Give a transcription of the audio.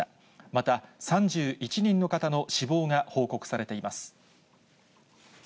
また、３１人の方の死亡が報告されています。